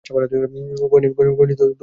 গুয়েনি, তোমার বাবা ফোন করেছে।